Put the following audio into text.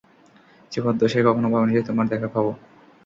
জীবদ্দশায় কখনও ভাবিনি যে তোমার দেখা পাবো।